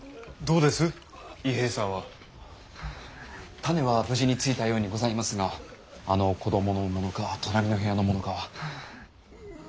種は無事についたようにございますがあの子どものものか隣の部屋のものかは。